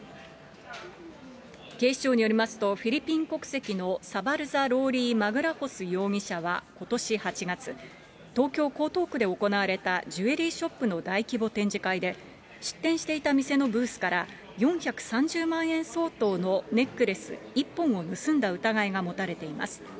警視庁によりますと、フィリピン国籍のサバルザ・ローリー・マグラホス容疑者はことし８月、東京・江東区で行われたジュエリーショップの大規模展示会で、出展していた店のブースから、４３０万円相当のネックレス１本を盗んだ疑いが持たれています。